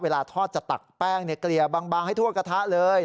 เวลาทอดจะตักแป้งเกลี่ยบางให้ทั่วกระทะเลย